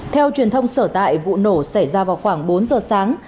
theo truyền thông sở tại vụ nổ xảy ra vào khoảng bốn giờ sáng